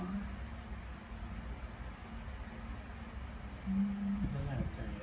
อันนี้ก็ไม่มีเจ้าพ่อหรอก